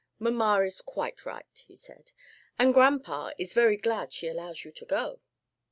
"Mamma is quite right," he said, "and grandpa is very glad she allows you to go."